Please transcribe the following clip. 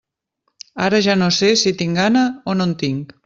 Ara ja no sé si tinc gana o no en tinc.